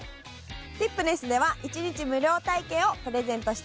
ティップネスでは一日無料体験をプレゼントしてます。